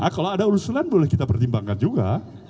kalau ada usulan boleh kita pertimbangkan juga